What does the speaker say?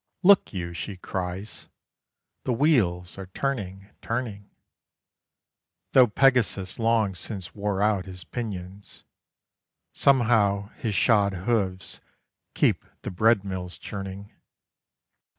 "Look you," she cries, "the Wheels are turning, turning. Though Pegasus long since wore out his pinions, Somehow his shod hooves keep the bread mills churning.